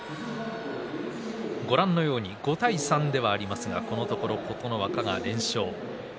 ご覧のように５対３ではありますがこのところ琴ノ若が連勝。